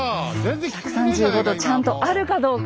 さあ１３５度ちゃんとあるかどうか。